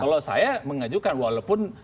kalau saya mengajukan walaupun